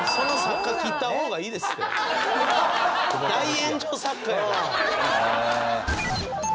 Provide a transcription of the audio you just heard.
大炎上作家やから。